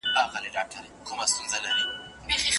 د نکاح زیاتوالی کله د خاوند لپاره ښه وي؟